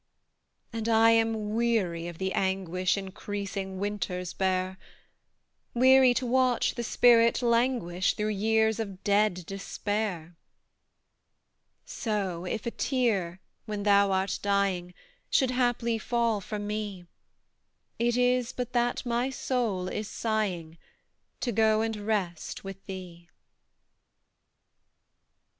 And I am weary of the anguish Increasing winters bear; Weary to watch the spirit languish Through years of dead despair. So, if a tear, when thou art dying, Should haply fall from me, It is but that my soul is sighing, To go and rest with thee.